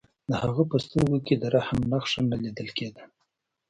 د هغه په سترګو کې د رحم نښه نه لیدل کېده